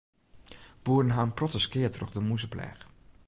Boeren ha in protte skea troch de mûzepleach.